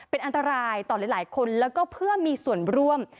เป็นอันตรายต่อหลายคนแล้วก็เพื่อมีส่วนร่วม